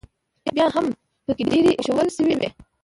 بیا هم پکې ډېرې ایښوول شوې وې.